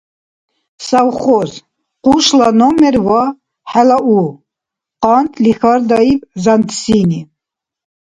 — Совхоз, къушла номер ва хӀела у? — къантӀли хьардаиб зантсини.